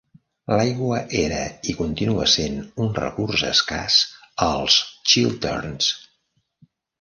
L'aigua era i continua sent un recurs escàs als Chilterns.